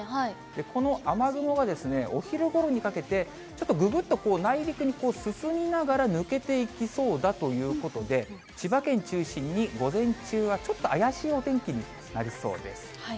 この雨雲がお昼ごろにかけて、ちょっとぐぐっと内陸に進みながら抜けていきそうだということで、千葉県中心に午前中は、ちょっと怪しいお天気になりそうです。